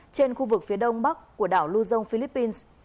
trên khu vực phía đông bắc của đảo luzon philippines